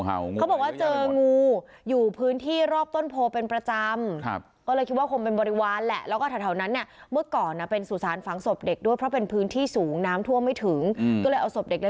อันนี้ตามคำบอกเล่าของชาวบ้านนะอ่าเด็กก็ดูเต้นเหรอ